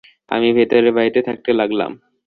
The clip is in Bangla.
আমি ভেতরের বাড়িতে থাকতে লাগলাম।